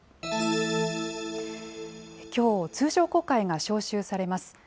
きょう、通常国会が召集されます。